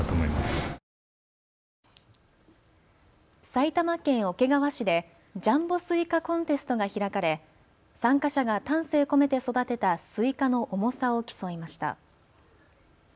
埼玉県桶川市でジャンボスイカコンテストが開かれ参加者が丹精込めて育てたスイカの重さを競いました。